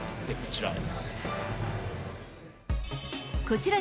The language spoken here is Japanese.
こちら。